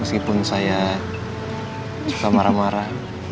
meskipun saya suka marah marah